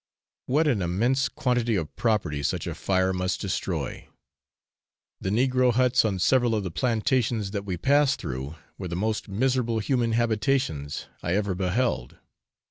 What an immense quantity of property such a fire must destroy! The negro huts on several of the plantations that we passed through were the most miserable human habitations I ever beheld.